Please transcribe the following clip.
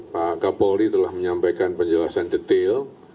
pak kapolri telah menyampaikan penjelasan detail